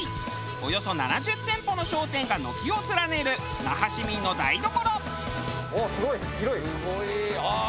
およそ７０店舗の商店が軒を連ねる那覇市民の台所。